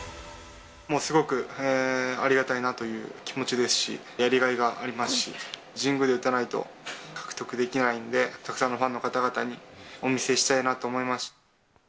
もうすごくありがたいなという気持ちですし、やりがいがありますし、神宮で打たないと獲得できないんで、たくさんのファンの方々にお見せしたいなと思います。